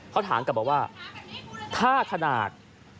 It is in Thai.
เขาถามกลับมาว่าถ้าขนาด